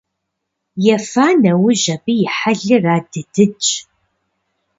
Ефа нэужь абы и хьэлыр адыдыдщ.